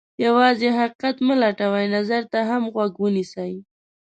یوازې حقیقت مه لټوئ، نظر ته هم غوږ ونیسئ.